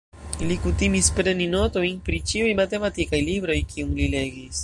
Li kutimis preni notojn pri ĉiuj matematikaj libroj, kiun li legis.